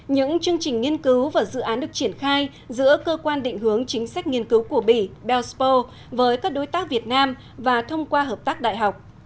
những chương trình nghiên cứu và dự án được triển khai giữa cơ quan định hướng chính sách nghiên cứu của bỉnspo với các đối tác việt nam và thông qua hợp tác đại học